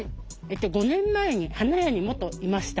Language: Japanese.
５年前に花屋に元いました。